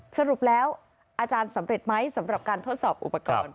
สรุปแล้วอาจารย์สำเร็จไหมสำหรับการทดสอบอุปกรณ์